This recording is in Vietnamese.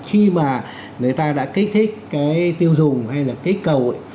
khi mà người ta đã kích thích cái tiêu dùng hay là kích cầu